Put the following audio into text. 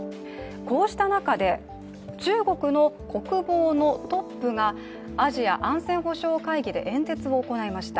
こうした中、中国の国防のトップがアジア安全保障会議で演説を行いました。